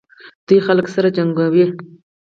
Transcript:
دوی خلک سره جنګوي.